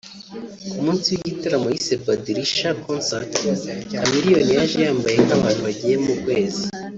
Ku munsi w'igitaramo yise Badilisha Concert Chameleone yaje yambaye nk'abantu bagiye mu kwezi